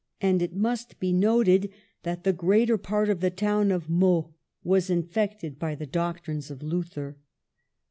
... And it must be noted that the greater part of the town of Meaux was infected by the doctrines of Luther."